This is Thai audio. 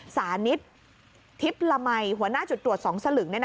สานิททิพย์ละมัยหัวหน้าจุดตรวจ๒สลึง